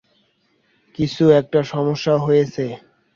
কিছু একটা সমস্যা হয়েছে।